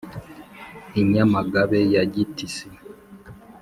I Nyamagana ya Gitisi